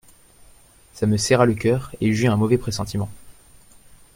Ça me serra le cœur et j'eus un mauvais pressentiment.